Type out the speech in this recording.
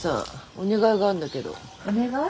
お願い？